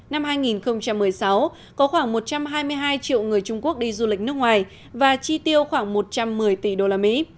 năm hai nghìn một mươi sáu có khoảng một trăm hai mươi hai triệu người trung quốc đi du lịch nước ngoài và chi tiêu khoảng một trăm một mươi tỷ đô la mỹ